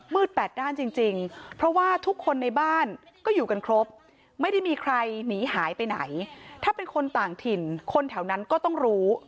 แปดด้านจริงเพราะว่าทุกคนในบ้านก็อยู่กันครบไม่ได้มีใครหนีหายไปไหนถ้าเป็นคนต่างถิ่นคนแถวนั้นก็ต้องรู้